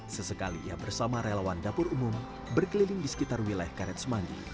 sesekali ia bersama relawan dapur umum berkeliling di sekitar wilayah karet semanggi